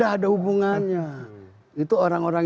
tidak ada hubungannya itu orang orang